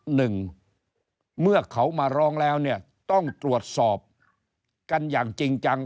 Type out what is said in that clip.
หนึ่งเมื่อเขามาร้องแล้วเนี่ยต้องตรวจสอบกันอย่างจริงจัง